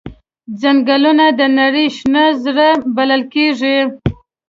ځنګلونه د نړۍ شنه زړه بلل کېږي.